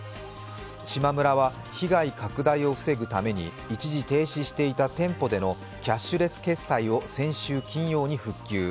しまむらは被害拡大を防ぐために一時停止していた店舗でのキャッシュレス決済を先週金曜に復旧。